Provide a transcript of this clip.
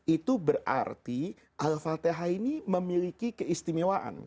itu berarti al fatihah ini memiliki keistimewaan